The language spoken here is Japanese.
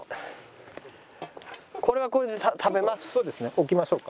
置きましょうか。